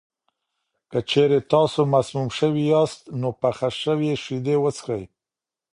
که چېرې تاسو مسموم شوي یاست، نو پخه شوې شیدې وڅښئ.